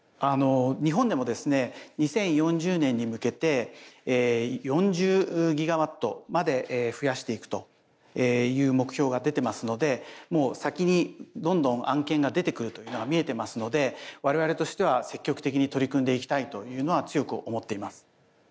日本でもですね２０４０年に向けて４０ギガワットまで増やしていくという目標が出てますのでもう先にどんどん案件が出てくるというのは見えてますので我々としては積極的に取り組んでいきたいというのは強く思っています。